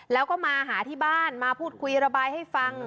แล้วก็มาหาที่บ้านมาพูดคุยระบายให้ฟัง